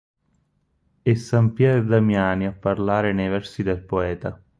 È san Pier Damiani a parlare nei versi del Poeta.